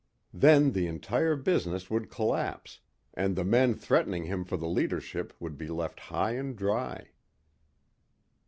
Then the entire business would collapse and the men threatening him for the leadership would be left high and dry.